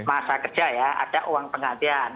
masa kerja ya ada uang penggantian